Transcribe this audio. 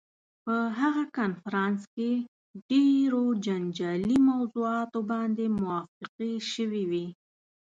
په هغه کنفرانس کې ډېرو جنجالي موضوعاتو باندې موافقې شوې وې.